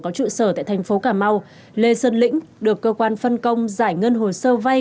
có trụ sở tại thành phố cà mau lê sơn lĩnh được cơ quan phân công giải ngân hồ sơ vay